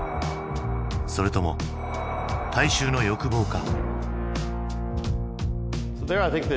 それとも大衆の欲望か？